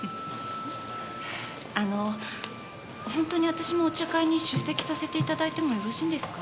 あの本当に私もお茶会に出席させて頂いてもよろしいんですか？